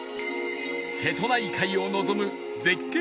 瀬戸内海を望む絶景